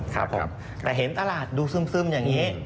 ครับผมแต่เห็นตลาดดูซึมอย่างนี้